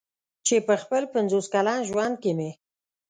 چې په خپل پنځوس کلن ژوند کې مې.